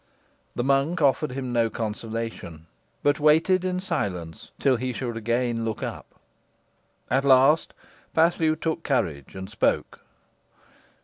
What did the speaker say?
The monk offered him no consolation, but waited in silence till he should again look up. At last Paslew took courage and spoke.